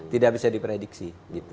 tidak bisa diprediksi